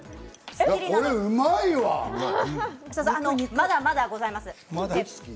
まだまだございます。